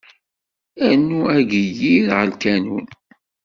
Rnu ageyyir ɣer lkanun.